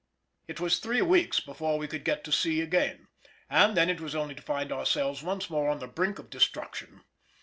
It was three weeks before we could get to sea again, and then it was only to find ourselves once more on the brink of destruction.